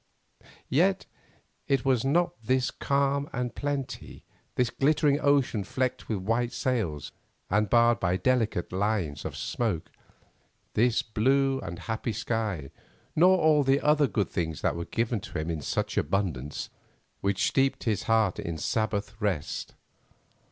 Yet it was not this calm and plenty, this glittering ocean flecked with white sails, and barred by delicate lines of smoke, this blue and happy sky, nor all the other good things that were given to him in such abundance, which steeped his heart in Sabbath rest.